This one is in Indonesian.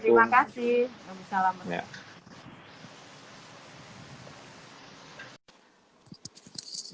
assalamu'alaikum warahmatullahi wabarakatuh